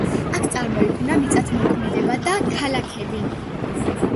აქ წარმოიქმნა მიწათმოქმედება და ქალაქები.